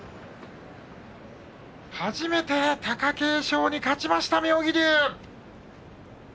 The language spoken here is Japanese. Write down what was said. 初めて貴景勝に勝ちました妙義龍。